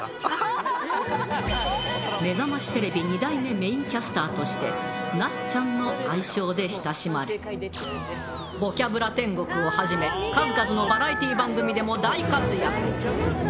「めざましテレビ」２代目メインキャスターとしてなっちゃんの愛称で親しまれ「ボキャブラ天国」をはじめ数々のバラエティー番組でも大活躍！